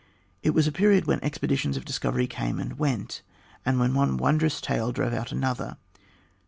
It was a period when expeditions of discovery came and went, and when one wondrous tale drove out another.